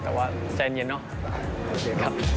แต่ว่าใจเย็นเนอะ